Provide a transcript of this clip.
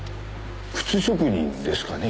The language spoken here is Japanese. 靴職人ですかね？